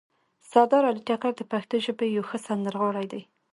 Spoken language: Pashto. سردار علي ټکر د پښتو ژبې یو ښه سندرغاړی ده